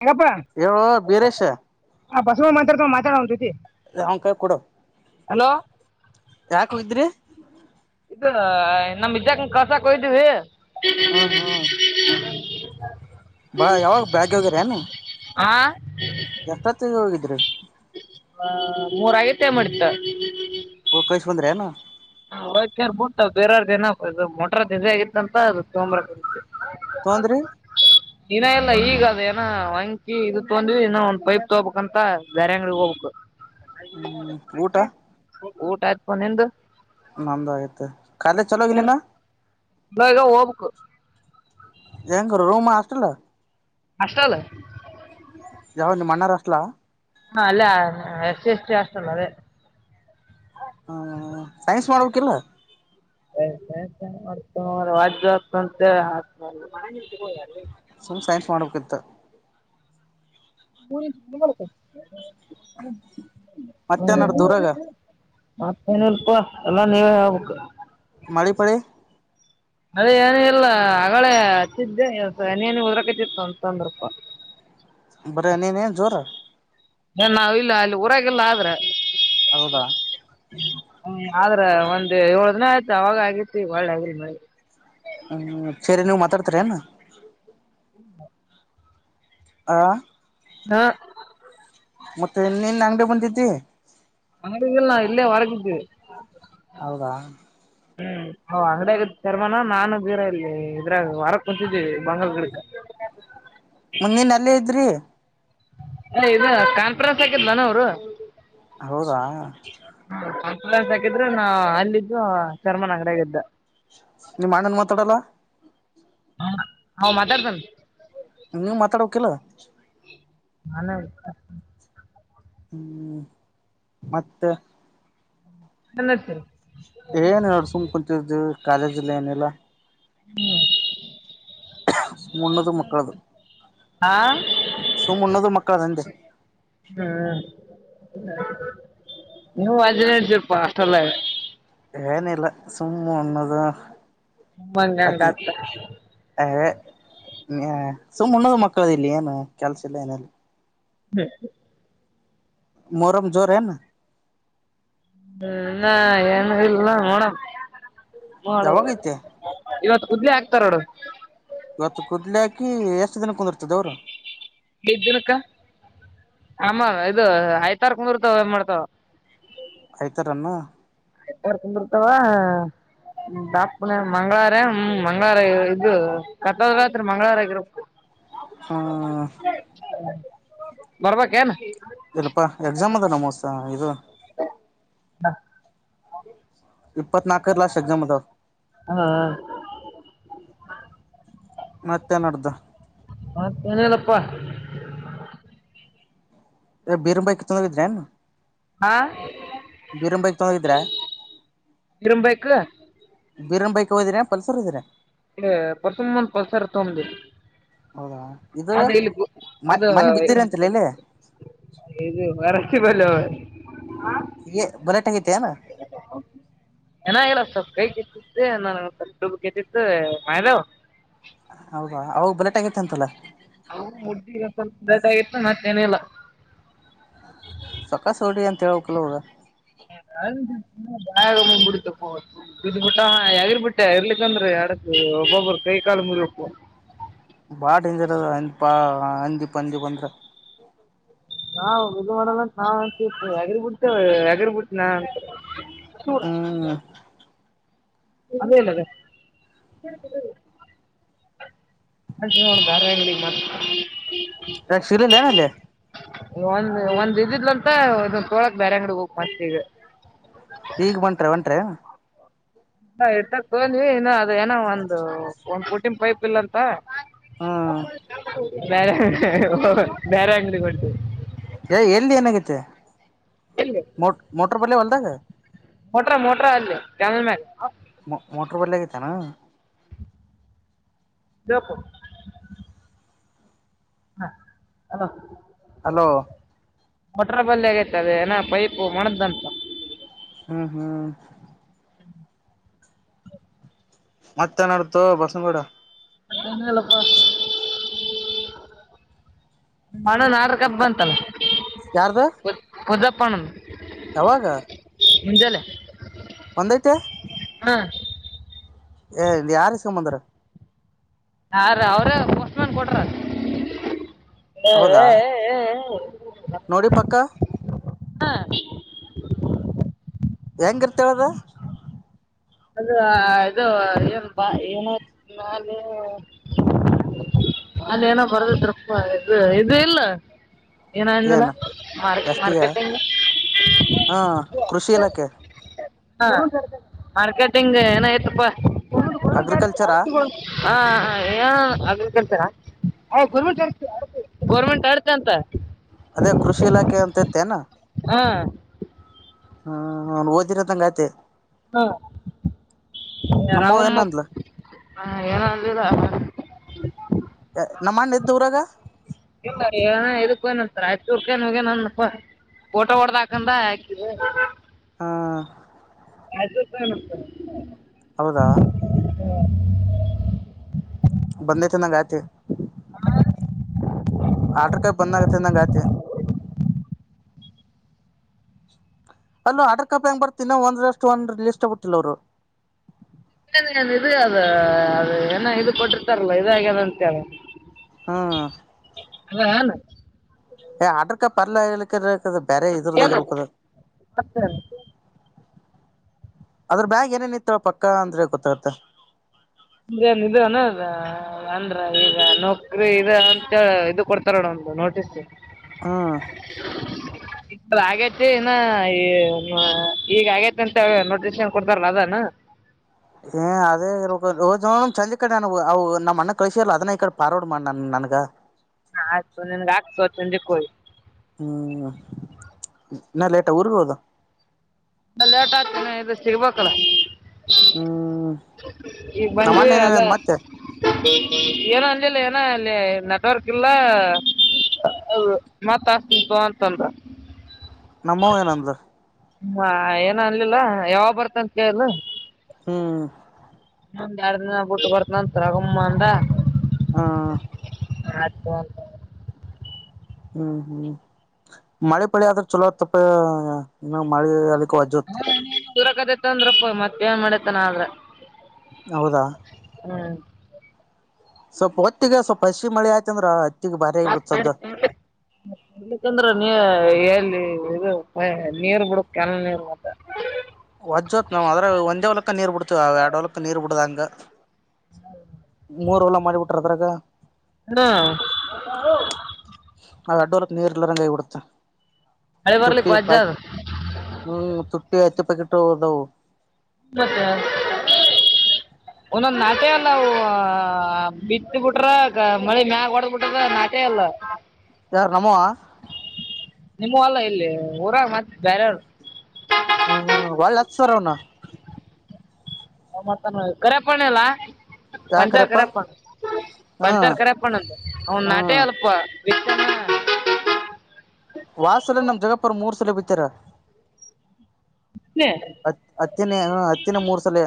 ಹೆಂಗಪ್ಪ ಹೇಳೊ ಬಿರೇಶ್ ಆ ಬಸವಾ ಮಾತಾಡತ್ಯಾನ್ ಮಾತಾಡ ಅವನ್ ಜೊತಿ ಏ ಅಂವ ಕೈಯಾಗ್ ಕೊಡು ಹಲೋ ಯಾಕು ಇದ್ರಿ ಅ ಏ ನಮ್ ಇಜ್ಜಕಾನ್ ಕಲ್ಸಾಕ್ ಹೋಗಿದ್ವಿ [inaudible] [inaudible] ಹ್ಮ್ ಹ್ಮ್ ಬಾ ಯಾವಾಗ್ ಬ್ಯಾಕಿಗ್ ಹೋಗಿರೆನ್ ಏನು ಹಾ ಎಷ್ಟೊತ್ತಿಗೆ ಹೋಗಿದ್ರಿ ಅ ಮೂರ್ ಆಗಿತ್ ಎನ್ ಮಾಡಿತ್ ಅ ಹೋಗಿ ಕಳ್ಸ ಬಂದ್ರಿ ಏನು ಅವಾಗ್ ಕೆರ್ಕೊಂತ ಬೆರೆರ್ದೇನೋ ಬಜಾ ಮೋಟಾರ್ ಬಿಸಿ ಆಗಿತ್ತಂತ ಅದು ತೊಂಬಾರಕ್ ಹೋಗಿದ್ವಿ ತೊಂದ್ರಿ ಹಿನಾ ಇಲ್ಲಾ ಈಗಾ ಅದ ಏನೋ ವಂಕಿ ಇದು ತೊಂದ್ವಿ ಇನ್ನಾ ಒಂದ್ ಪೈಪ್ ತೊಬೇಕ್ ಅಂತಾ ಬ್ಯಾರೆ ಅಂಗಡಿಗ್ ಹೋಗ್ಬೇಕ ಹ್ಮ್ ಊಟ ಊಟ್ ಆಯ್ತ ಪಾ ನಿಂದ ನಂದ ಆಗ್ಯೆತೆ ಕಾಲೇಜ್ ಚಾಲು ಆಗಿಲ್ ಹಿನಾ ಬೇಗಾ ಹೋಗ್ಬುಕ್ ಹೆಂಗ್ ರೂಮಾ ಹಾಸ್ಟೆಲ್ ಹಾಸ್ಟಲ್ ಯಾವದ್ ನಿಮ್ ಅಣ್ಣಾರ್ ಹಾಸ್ಟಲಾ ಹಾ ಅಲ್ಲ ಎಷ್ಟ ಎಷ್ಟ ಅಷ್ಟಲ್ಲ ಅದೆ ಹ್ಮ ಸೈನ್ಸ್ ಮಾಡ್ಬೇಕಕ್ಿಲ್ಲ [unintelligible] ಸುಮ್ ಸೈನ್ಸ್ ಮಾಡ್ಬೇಕಿತ್ತ [unintelligible] ಮತ್ತೇನಾರ ಹ್ಮ್ ದೂರಾಗ ಮತ್ತ ಏನಲ್ಪ ಎಲ್ಲಾ ನೀವೇ ಹೇಬೇಕು ಮಾಲಿಪಾಲಿ ಅದೇ ಏನ ಎಲ್ಲ ಹಗಳೆ ಹಚ್ಚಿದ್ದೆ ಏನ ಏನ ಉದ್ರಕತಿತ್ತು ಅಂತಂತ ಅಂದ್ರಪ್ಪ ಬರ ನೀನ್ ಏನ್ ಜೋರ ನಾವ ಇಲ್ಲ ಅಲ್ಲಿ ಊರಾಗಲ್ಲ ಆದ್ರೆ ಹೌದಾ ಆದ್ರ ಒಂದ್ ಏಳ ದಿನ ಆಯ್ತು ಅವಾಗ ಆಗೇತಿ ಒಳ್ಳೆ ಆಗಲ್ ಮಿ ಹ್ಮ್ ಸರಿ ನೀವವು ಮಾತಾಡ್ತರಿ ಅನ್ ಆ ಹಾ ಮತ್ತೆ ನಿನ್ ಅಂಗಡಿ ಬಂದಿದ್ದಿ ಅಂಗಡಿಗಿಲ್ಲಾ ಇಲ್ಲೇ ವರಗಿದ್ದ ಹೌದಾ ಹ್ಮ್ ಅವ ಅಂಗಡಾಗ ಶರ್ಮಾನ ನಾನು ಬೀರ ಇಲ್ಲಿ ಇದ್ರಾಗ ವರಕ್ ಕುಂತಿದೀವಿ ಬಂಗಾರ ಗಿಡ ಮುಂದಿನ ಅಲ್ಲೇ ಇದ್ರಿ ಅ ಇದು ಕಾನ್ಫರೆನ್ಸ್ ಹಾಕಿದ್ ನನ್ ಅವರು ಹೌದಾ ಫ್ರಾನ್ಸ್ ಹಾಕಿದ್ರೆ ನಾ ಅಲ್ಲಿದ್ದು ಚರ್ಮನ್ಂಗಡಾಗ ಇದ್ದ ನಿಮ್ಮ ಆಣ್ಣನ್ ಮಾತಾಡಲ್ಲ ಹ ಹಾ ಮಾತಾಡ್ತನೆ ನೀವ್ ಮಾತಾಡಬೇಕಿಲ್ಲ ನಾನತ ಹ್ಮ್ ಮತ್ತೆ ನನ್ನ ಹ್ತೀರ ಏನು ಅಡಸುಮ ಕುಂತು ಕಾಲ ಜಿಲ್ಲನಲ್ಲ ಹ್ಮ್ ಸುಮ್ ಉಣ್ಣದು ಮಕ್ಕಳದು ಆಾ ಸುಮ್ ಉಣ್ಣೋದು ಮಕ್ಕಳ ಅಂದೆ ಹ್ಮ್ ನೀವು ಅಜ ಪಷ್ಟಲ್ಲ ಏನಿಲ್ಲ ಸುಮ್ಮ ಅನ್ನೋದು ಹಮ್ಮಂಗಂಗತ್ ಹ ಸುಮ್ಮ್ಣದ ಮಕ್ಕಳದ ಇಲ್ಲಿ ಏನು ಕೆಲ್ಸ ಇಲ್ಲ ಏನಿಲ್ಲ ಹ್ಮ್ ಮೂರಮ್ ಜೋರ್ ಏನು ಹ್ಮ್ ಏನಿಲ್ಲ ನೋಡೋಣ ನೋ ಯಾವಾಗೈತೆ ಇವತ್ತು ಉದ್ಲಿ ಹಾಕ್ತಾರೋಡು ಇವತ್ತು ಕೂದಲಾಕಿ ಎಷ್ಟ ದಿನ ಕುಂದಿರ್ತದ ಅವರು ಬಿದ್ದಿನಕ್ಕ ಆಮ ಇದು ಆಯ್ತ ತರ್ಕ ಮುರ್ತಾವ ಮಾಡ್ತಾವ ಆಯ್ತಾರ್ಣ ಯರ್ಕ್ಬಿರ್ತಾವ ದಾಪನ ಮಂಗಳವಾರ ಹ್ ಮಂಗಳವಾರ ಇದು ಕತ್ತಲ್ ರಾತ್ರಿ ಮಂಗಳವಾರ ಆಗಿರಪ್ಪ ಹ್ಮ್ [inaudible] ಬರ್ಬ ಕೆನ್ ಇಲ್ಲಪಾ ಎಕ್ಸಾಮ್ ಅದ ನ ಮೋಸ ಇದು ಇಪ್ಪತ್ನಾಲ್ಕರ ಲಾಸ್ಟ್ ಎಕ್ಸಾಮ್ ಅದಾವ ಹಾ ಹಾ ಮತ್ತೆ ನಡ್ದ ಪ್ಪ ಬೀರಮ ಭೈಕ ತೊಂದಿದ್ರೆನ್ ಹಾ ತೊಂದಿದ್ರ ಬೀರಮ ಬೈಕ್ ಬೀರಮ ಬೈಕ್ ಒಯ್ದೀರ್ಯಾ ಪಲ್ಸರ್ ಒಯಿದೀರ್ಯ ಇ ಪರ್ಸುಮಮಂದು ಪಲ್ಸರ್ ತೊಂಡ ಹೌದಾ ಇದು ಅದೀಲ್ಲಿ ಗೂ ಮ ಅದು ಮನ್ನಿ ಬಿದ್ದಿರಿ ಅಂತಲ್ಲ ಇಲ್ಲಿ ಇದು ವೆರಟಿಬಲ್ಲ [inaudible] ಹೀಗೆ ಬರಟ್ಯಗ ಏನಾಗಿಲ್ಲ ಸ್ ಕೈ ಕಿ ತ್ತಿ ನನಗ್ ಕಟ್ಟದಬೇಕಿತ್ತು ಮೈದಾವ್ ಹೌದಾ ಅವಾಗ ಬುಲೆಟ್ ಆಗಿತಂತಲ ಅವುಗು ಮುಡ್ಡಿಗ್ ಸ್ವಲ್ಪ ಬ್ಲಡ್ಡಾಗಿತ್ತು ಮತ್ತೇನಿಲ್ಲ ಸಕಸ ಹೋಡಿ ಅಂತ ಹೇಳಕಲ ಅವುಗ ಹ ಹೌದು [unintelligible] ಬಯಗಾಮಮ ಬಿಡತಪ್ಪೂ ಅವತ್ತು ಇದು ಮುಂಡ ಎಗಿರ್ಬಟ್ಟೆ ಇರ್ಲಿಕ್ಕಂದ್ರೆ ಎಡಕ್ಕೆ ಒಬ್ಬೊಬ್ಬರು ಕೈ ಕಾಲ ಮುರಿಪ್ಪೋ ಬಾಳ ಡೇಂಜರ ಅದ ಹಂದೀಪ ಹಂದಪಂದಿ ಬಂದ್ರ ನಾವಿದು ಮಾಡಲ್ಲಂತ ನಾವ ಅಂತೀವಿ ಎಗರ್ ಬಿಡ್ತಿವಿ ಎಗರ್ ಬಿಡ್ತನಾ ಪುತ್ತುರ ಹ್ಮ್ ಅದೇಲ್ಲದ ಹೊಂಟಿವ ನೋಡ ಬ್ಯಾರೆ ಅಂಗಡಿಗ ಮತ್ತ ಯಾಕ ಸಿಗಲಿಲ್ಲೇನ್ ಅಲ್ಲಿ ಒಂದ್ ಒಂದ್ ಇದಿದ್ಲಂತ ಇದನ್ ತೋಳಕ್ ಬ್ಯಾರೆ ಅಂಗಡಿ ಹೋಬೇಕ್ ಮತ್ ಈಗ ಈಗ ಬಂಟ್ರ ಹೊಂಟ್ರೆನ್ ಇತ್ತಕ್ ತೊಂದ್ವಿ ಇನ್ನು ಅದ ಏನೂ ಒಂದು ಒಂದ್ ಪುಟ್ಟಿನ್ ಪೈಪ್ ಇಲ್ಲಂತ ಹ್ಮ ಬ್ಯಾರೆ ಬ್ಯಾರೆ ಅಂಗಡಿಗ್ ಹೊಂಟಿವಿ ಏ ಎಲ್ಲಿ ಏನಾಗೈತಿ ಮೋ ಮೋಟರ್ ಬಲ್ಲೇ ಹೊಲ್ ಏನ ಮೋಟ್ರಾ ಮೋಟ್ರಾ ಅಲ್ಲಿ ಕ್ಯಾಮಲ್ ಮ್ಯಾಲ ಮ ಮೊಟರ್ ಬಲ್ಲ ಆಗೈತೆನ ಬೇಕು ಹಾ ಹ ಹಲೋ ಮೀಟ್ರ ಬಲ್ ಆಗೈತೆ ಅದ ಏನ ಪೈಪ್ ಮಣದಂತ ಹ್ಮ್ ಹ್ಮ್ ಮತ್ತೆ ನಡ್ತ ಬಸನಗೂಡ ಅದ ಎಳಪ [unintelligible] ಹಣನ್ ಆರ್ ಕಪ್ ಬಂತಲ್ಲ ಯಾರ್ದು ಪುದ್ದಪ್ಪಣನ್ ಯಾವಾಗ ಮುಂಜಲ್ಲ ಒಂದೈತೆ ಏ ಯಾರು ಸಂಬಂದರ ಹಾಾರ ಅವ್ರ ವಸ್ ಮ್ಯಾನ್ ಕೊಟ್ರ ಹಾ ಹೌದಾ ಹ ಹ ನೋಡಿ ಪಕ್ಕ ಹೆಂಗಿರ್ತೇಳದ ಅದು ಇದು ಏನ್ ಬಾ ಏನ ಅ ಏನೋ ಬರ್ದದಪ್ಪ ಇದು ಇದು ಇಲ್ಲ ಏನೋ ಅಂದಲ್ಲ ಏನ್ ಎಷ್ಟಿಗೆ ಮಾರ್ಕೆಟಿಂಗ್ ಹಾ ಕೃಷಿ ಇಲಾಖೆ ಹ ಮಾರ್ಕೆಟಿಂಗ್ ಏನಾಯಯ್ತಪ್ಪಾ ಒಂದು ಒಂದು ಕರೆ ಅಗ್ರಿಕಲ್ಚರಾ ಅಚುಗೊಂಡ ಆ ತರ ಗರ್ೆಂಟ್ ಗೋರ್ಮೆಂಟ್ ಆಡ್ತೆ ಅಂತ ಅದೇ ಕೃಷಿ ಇಲಾಖೆ ಅಂತ ಇತ್ತೇನಾ ಹಾ ಹ್ಮ್ ಓದಿರೋದಂಗತೆ ಹಾ ನಮ್ಮವ್ ರಗಮ್ಮ ಏನಂದ್ಲ ಹ ಏನಂದಿಲ್ಲ ನಮ್ಮಂಡ್ಣದೂರಾಗ ರಾಯಚೂರ್ ಕ ನೀಗೆ ನ ಫೋಟೋ ಹೊಡ್ದಾಕಂದ ಯಾಕ ಹ್ಮ ಅದುತ ಹೌದಾ ಬಂದೆ ನ ಗಾಯತೆ ಹೂ-ಹೂ ಆಟ್ರಕಾಯಿ ಬಂದ ಆಗತ್ತ ನಂಗ ಆತಿ ಅಲ್ಲ ಆರ್ಡ್ರ ಕಾಪಿ ಹೆಂಗ ಬರ್ತಿನ ಒಂದ್ರ ಅಷ್ಟು ಒಂದ ಲಿಸ್ಟ್ಬಿಟ್ಟಿಲ್ಲ ಅವರು ಏನ್ ನ್ ಇದು ಅದ ಅದು ಏನ ಇ ಕೊಟ್ಟಿರ್ತಾರಲ್ಲ ಇದಾಗ್ಯನಂತ ಕೇಳ ಹ್ಮ್ ಹನು ಏ ಅಡರ್ಕ ಪರ್ಲ ಹೇಳಕ್ಕ್ರ ಬೇರೆ ಇದುರದರ ಮತ್ತೇನು ಉ ಕದ ಮತ್ತೇನು ಅದ್ರ ಬ್ಯಾಗ್ ಏನೇನ ಇತ್ತ ಪಕ್ಕ ಅಂದ್ರೆ ಗೊತ್ತಾಗತ್ತೆ ಅಂದ್ರ ಏನ್ ಇ ಅನದ ಅಂದ್ರ ಈಗ ನೌಕ್ರಿ ಇ ಅಂತ ಇದು ಕೊಡ್ತಾರಣ ಒಂದು ನೋಟಿಸ್ ಹ್ಮ ಆಗೇತಿ ಇನ್ನ ಈ ಈಗ ಆಗೇತಿ ಅಂತ ನೋಟಿಸಷನ್ ಕೊಡ್ತಾರಲ್ಲ ಅದಾನ ಏ ಅದೇ ಚಂದ ಇ ಕಡೆ ನಾನ ಅವು ನಮ್ಮ ಅಣ್ಣ ಕಳಸಲ್ಲ ಅದನ್ನ ಈ ಕಡೆ ಪಾರಡ ಮಾಡ ನು ನನಗ ಹಾ ಆಯ್ತು ನಿನ್ಗ ಆಗ್ತುಂದಕ್ಕೋಳಿ ಹ್ಮ್ ಇನ್ನಾ ಲೇಟ ಊರ್ಗ ಹೋದ ಲೇಟ್ ಆಗ್ತದೆ ಇದ್ದ ಸಿಗಬೇಕಲ್ಲ ಹ್ಮ್ ಈ ನಮ್ಮ ಬಂದವಿ ಅಣ್ಣ ಅಲ್ಲ ಏನೇನಂದ ಮತ್ತೆ ಏನ ಅಂದಿಲ್ಲ ಅಲ್ಲಿ ನೆಟ್ವರ್ಕ್ ಇಲ್ಲಾ ಹೌದು ಮತ್ತ ಈಗ ಅಂತಂದ್ರ ನಮ್ಮವ ಏನಂದ ಹಾ ಏನ ಅನ್ಲಿಲ್ಲ ಯಾವಾಗ ಬರ್ತ ಅಂತ ಕೇಳಲ್ ಹ್ಮ್ ಒಂದ್ ಎರಡು ದಿನ ಬಿಟ್ಟು ಬರ್ತೀನಿ ಅಂದ ಹ್ಮ ಸ್ಮಾರ್ಟಫೋನ್ ಹ್ಮ್ ಹ್ಮ್ ಮಳೆ ಪಳಿ ಆದ್ರ ಚಲೋ ತಪ್ಪ ಇನ್ನು ಮಳೆ ಅ ವಜುತ್ ದೂರಕದೈತ್ ಅಂದ್ರಪ್ಪಯ್ ಮತ್ತ ಏನ್ ಮಾಡೇತನ ಆದ್ರ ಹೌದಾ ಹ್ಮ್ ಸ್ವಲ್ಪ ಹೊತ್ತಿಗೆ ಸ್ವಲ್ಪ ಹಸಿ ಮಳೆ ಆಯ್ತಂದ್ರ ಹತ್ತಿಗೆ ಭಾರಿ ಆಗ್ಬಿಡ್ತದ ಂದ್ರ ನೀ [inaudible] ಅಲ್ಲಿ ಇ ನೀರ್ ಬಿಡಕ್ ಕೆನ ನೀರ್ ಮತ್ತ ವಜ್ೋತ್ ನಾವವು ಅ್ರೆ ಒಂದೇ ವಲಕ್ಕಕ್ ನೀರ್ ಬಿಡ್ತವ ಆ ಎರಡ್ ವಲಕ್ಕಕ್ ನೀರ್ ಬಿಡ್ದಂಗ ಡ [inaudible] ಮೂರ್ ಹೊಲ ಮಾಡಿಬಿಟ್ರ ಅದ್ರಗ ಅ [unintelligible] ಅವ ಅಡ್ಡುೋರತ್ ನೀರುಲ್ಲರಂಗೈ ಕೊಡ್ತ [unintelligible] ಮಳಿ ತುಟ್ಟಿ ಬರ್ಲಿಕ್ ವಜ್ಜ ಅದ ಪ್ಯಾಕೆಟ್ ಹ್ಮ್ ತುಟ್ಟಿ ಐತ್ತು ಪ್ಯಾಕೆಟ್ ಹಟ್ಟೋದು [inaudible] ಮತ್ತೆ ಒಂದೊಂದ ನಾಟೆ ಅಲ್ಲ ಬಿತ್ ಬಿಿಟ್ರ ಮಳೆ ಮ್ಯಾಗ ಹೊಡ ಬಿಿಟ್ರ ನಾಟೆ ಅಲ್ಲ ಯಾರು ನಮ್ಮವ ನಿಮ್ಮ ಅಲ್ಲ ಇಲ್ಲಿ ಊರ ಮತ್ತೆ ಬ್ಯಾರಿಯವರು ಹ ಒಳ್ಳ ಹಕ್ತಾರ ಅವನ ಹ ಮಾಡ್ತಾನ ಕರೆಪಣೆ ಎಲ್ಲಾ ಪಂಚರ್ ಯಾಕರಪ್ಪ ಕರಿಯಪ್ಪ ಹ್ಮ್ ಪಂಚಾರ್ ಕರಿಯಪ್ಪ ಅಂದ ಅವನ್ ನಾಟೆ ಹ್ಮ್ ಅಲ್ಪ ಎ [unintelligible] ಇ ಮೂರು ಸಲ ಬಿಡ್ತೀರ್ [unintelligible] ಹತ್ ಹತ್ತಿನೇ ಹ ಹತ್ತಿನ ಮೂರು ಸಲ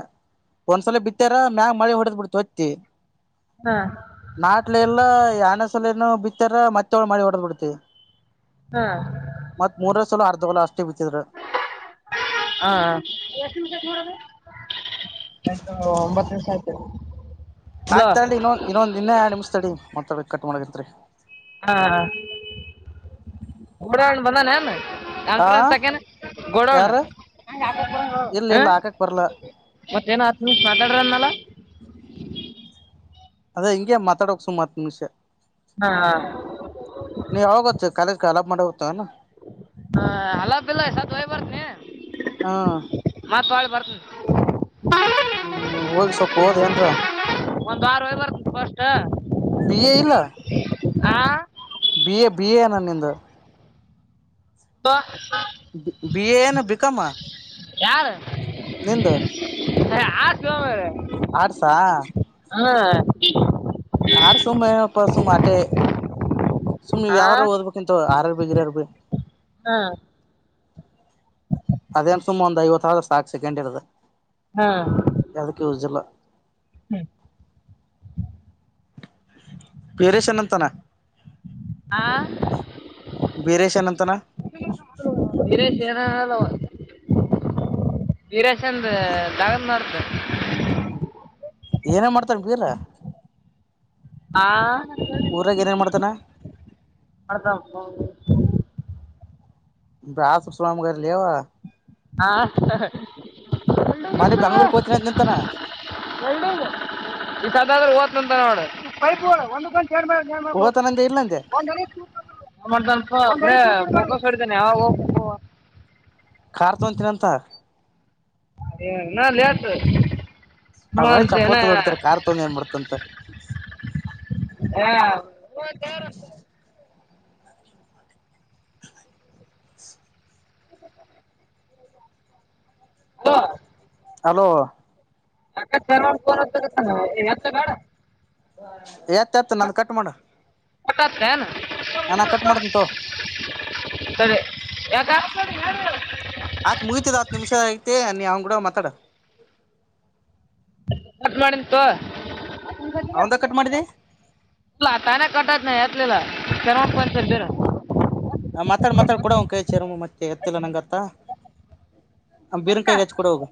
ಒಂದ್ಸಲ ಬಿತ್ತಾರ ಮ್ಯಾಗ ಮಳೆ ಹೊಡೆದ್ ಬಿಡ್ತು ಹೊತ್ತಿ ಹಾ ನಾಟ್ಲ ಎಲ್ಲ ಎರಡನೇ ಸಲ ಬಿತ್ತಾರ ಮತ್ತವಳ ಮಾಡಿ ಓಡದ್ ಬಿಡ್ತಿವಿ ಹಾ ಮತ್ ಮೂರ ಸಲ ಅರ್ಧ ತಗೋ ನಾ ಬಿಚ್ಚಿದ್ರ [unintelligible] ಆಯ್ತ ಒಂಬತ್ತು ನಿಮಿಷ ಆಯ್ತದೆ ಆಯ್ತ್ ತಾಳಿ ಇನ್ನೊಂದ ಇನ್ನ ಎರಡುನಿಮಿಷ ತಡಿ ಮತ ಕಟ್ಟ ಏನ್ ಮಾಡಾಕತ್ತೀರಿ [unintelligible] ಹಾ ಅಣ್ಣ ಬಂದಾನ್ ಏನ್ ಆ [unintelligible] ಗೋಡೌನ್ ಯಾರ ಇಲ್ಲ ಹ ಇಲ್ಲ ಹಾಕಕ್ ಬರ್ಲ್ಲ ಮತ್ತೇನ್ ಹತ್ತು ನಿಮಿಷ ಮಾತಾಡ್ರಿ ಅಂದನಲ್ಲ ಅದೇ ಹಿಂಗೆ ಮಾತಾಡೋಕ್ ಸುಮ್ ಹತ್ತು ನಿಮಿಷ ಹಾ ನೀ ಯಾವಾಗ ಕಾಲೇಜ ಕಲಾ ಮಾಡ ಹುತ್ತಾ ಏನ್ ಹಾ ಹಲಬಿಲ್ಲ ಎ ಸತ್ ವಯ್ ಬರ್ತೀನಿ ಹಾ ಫರ್ಸ್ ಹ್ಮ್ ಹೋಗಿ ಸ್ವಲ್ಪ ಹೋದ್ಏನ್ರ ಒಂದ್ ವಾರ ಹೋಗಿ ಬರ್ತೀನಿ ಫಸ್ಟ್ ಹಾ ಬಿ ಎ ಇಲ್ಲ ಬಿ ಎ ಬಿ ಎ ನಾನ್ ನಿಂದ ಬಾ ಬಿಎ ಏನ್ ಬಿಕಮ್ ಹಾ ಯಾರು ನಿಂದ ಆ ಹಸು ಏನ್ ಮಾರಾಯ ಆಡ್ಸ ಹಾ ಆರು ಸುಮಮ್ಮನೆ ಏನಪ್ಪ ಸುಮ್ಮ್ ಅಟೆ ಸುಮ್ಮ್ನೆವು ಹಾ ಯಾವಾರ ಓದ್ಬೇಕಿಂತ ಆರ ಬಗ್ರಬೇಕ ಹಾ ಅದೇನ್ ಸುಮ ಒಂದ್ ಐವತ್ತಾರ ಸಾಕ್ ಸೆಕೆಂಡಿರದ ಹಾ ಯದಕ್ಕ್ ಯೂಸ್ ಇಲ್ಲ ಪೇರೇಶನ ಅಂತಾನ ಹಾ ಬೀರೇಶನ್ ಅಂತಾನ ವೀರೇಶ ಹಾ ಹಲೋ ವೀರ ಚಂದ ದಗನ್ ಅಂತ ಏನೇ ಮಾಡ್ತಾರ ಬೀರ ಆ ಊರಾಗ ಏನೇನ್ ಮಾಡ್ತಾನ ಅಡದಾ ಬಾಸು ಸುನಾಮಗಲಿವಾ ಹಾ ಮಾಡ ಬೆಂಗಳೂರು ಕೋಚ್ನ ನಿಂತಾರ. ನೋ ಪೈ ಒಂದು ಗಂಟೆ. ಹೋಗತಾನಂದೆ ಇಲ್ಲಂದೆ [inaudible] [inaudible] ಕಾರ್ ತೊಂತೀನಂತ. ಇನ್ನ ಲೇಟ್. ಅವ ಮನ ನೋಡಂತ ಏನ ಚಪ್ಪಲ್ತ ಹೊಡ್ತಾರೆ ಕಾರ್ ತಂದ ಏನ್ ಮಾಡಡ್ತಂತ. ಹಾ. [inaudible] ಹಾ. ಹಲೋ. ಯಾಕತ್ ಫೋನ್ ಹಚ್ಚಾಕತ್ತಾನ ಎತ್ಲ ಬ್ಯಾಡ. ಎತ್. ಎತ್ ನಂದ್ ಕಟ್ ಮಾಡು ಹ ನಾ ಕಟ್ ಮಾಡ್ತನ್ ತೋ ಯ [inaudible] ಬಿಡೊ ಮಾತಾಡ. ಮತ್ ಮಾಡಿಂತು ತಗೋ. ಅವಂದ ಕಟ್ ಮಾಡಿದಿ ತಾನ ಕಟ ಆತ್ ನಾ ಎತಲಿಲ್ಲ. [inaudible] ಆ ಮಾತಾಡ್ ಮ ಮಾತಾಡ್ ಕೂಡ ಅವ್ ಕಾಯ ಚಾರ ಮತ್ತೆ ಎತ್ತಿಲ್ಲ ನಂಗತ್ತ. [unintelligible] ಬೀರನ್ಕಾಯಿ ಹ್ಮ್. ಹಚ್ಚಿ ಕೂಡ ಹೋಗು.